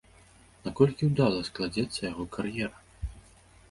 Наколькі ўдала складзецца яго кар'ера?